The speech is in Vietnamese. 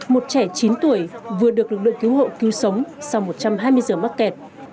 một trẻ chín tuổi vừa được lực lượng cứu hộ cứu sống sau một trăm hai mươi giờ mắc kẹt